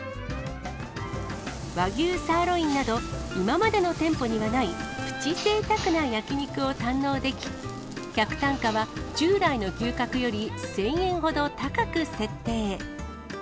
和牛サーロインなど、今までの店舗にはない、プチぜいたくな焼き肉を堪能でき、客単価は従来の牛角より１０００円ほど高く設定。